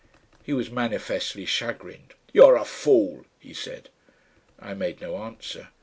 He was manifestly chagrined. "You're a fool," he said. I made no answer.